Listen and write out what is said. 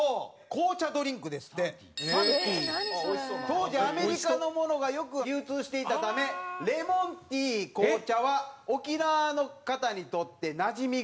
当時アメリカのものがよく流通していたためレモンティー紅茶は沖縄の方にとってなじみがある。